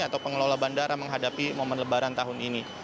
atau pengelola bandara menghadapi momen lebaran tahun ini